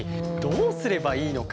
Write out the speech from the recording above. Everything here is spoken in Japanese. どうすればいいの？